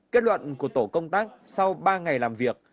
kết luận của tổ công tác sau ba ngày làm việc